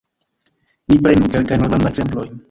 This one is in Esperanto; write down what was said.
Ni prenu kelkajn malgrandajn ekzemplojn.